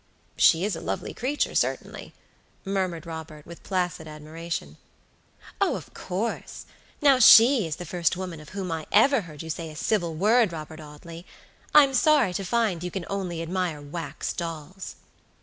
"She is a lovely creature, certainly," murmured Robert, with placid admiration. "Oh, of course! Now, she is the first woman of whom I ever heard you say a civil word, Robert Audley. I'm sorry to find you can only admire wax dolls."